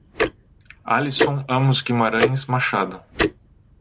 Alysson Amos Guimaraes Machado